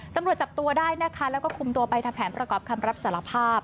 ตำรวจจับตัวได้นะคะแล้วก็คุมตัวไปทำแผนประกอบคำรับสารภาพ